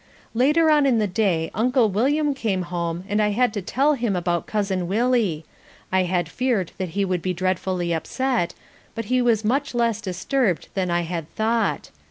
Later on in the day Uncle William came home and I had to tell him all about Cousin Willie. I had feared that he would be dreadfully upset, but he was much less disturbed than I had thought.